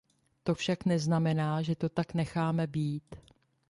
To však neznamená, že to tak necháme být.